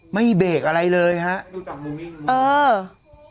ไม่เบรกอะไรเลยฮะดูจากมุมงี้มุมเอ้อ